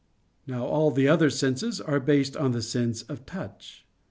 Now all the other senses are based on the sense of touch.